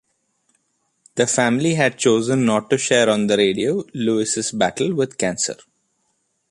The family had chosen not to share on the radio Lewis' battle with cancer.